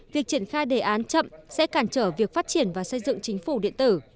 việc triển khai đề án chậm sẽ cản trở việc phát triển và xây dựng chính phủ điện tử